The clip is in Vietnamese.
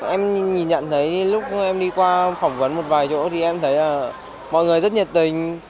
em nhìn nhận thấy lúc em đi qua phỏng vấn một vài chỗ thì em thấy mọi người rất nhiệt tình